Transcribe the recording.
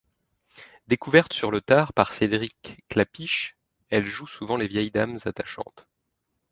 Découverte sur le tard par Cédric Klapisch, elle joue souvent les vieilles dames attachantes.